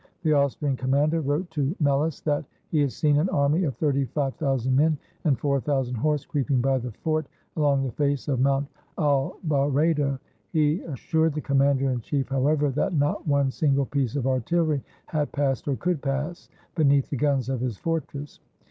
The Austrian commander wrote to Melas that he had seen an army of thirty five thousand men and four thousand horse creeping by the fort, along the face of Mount Albaredo. He assured the commander in chief, however, that not one single piece of artillery had passed, or could pass, beneath the guns of his fortress.